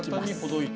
はい。